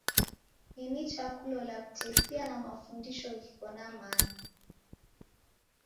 Ni nicha kulola w'utesia na mafundisho ghiko na mana.